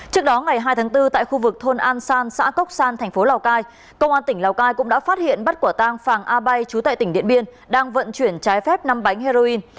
trước đó ngày hai tháng bốn tại khu vực thôn an san xã cốc san thành phố lào cai công an tỉnh lào cai cũng đã phát hiện bắt quả tang phàng a bay chú tại tỉnh điện biên đang vận chuyển trái phép năm bánh heroin